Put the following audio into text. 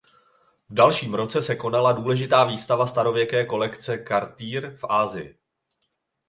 V dalším roce se konala důležitá výstava starověké kolekce Cartier v Asii.